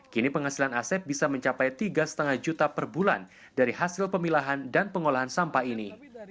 kini penghasilan asep bisa mencapai tiga lima juta per bulan dari hasil pemilahan dan pengolahan sampah ini